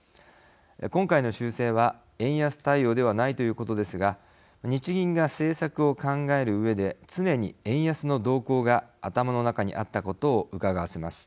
今回の修正は円安対応ではないということですが日銀が政策を考えるうえで常に円安の動向が頭の中にあったことをうかがわせます。